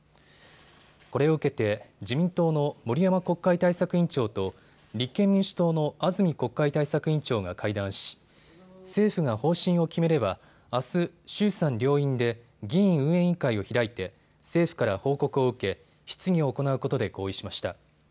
これを受けて自民党の森山国会対策委員長と立憲民主党の安住国会対策委員長が会談し政府が方針を決めればあす、衆参両院で議院運営委員会を開いて政府から報告を受け質疑を行うことで合意しました。